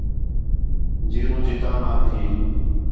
جیروں جتام آ بھی